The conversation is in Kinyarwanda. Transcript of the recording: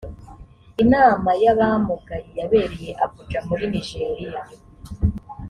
inamay’ abamugaye yabereye abuja muri nigeria